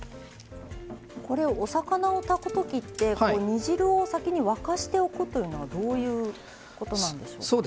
お魚を炊くときって煮汁を先に沸かしておくというのはどういうことなんでしょうか？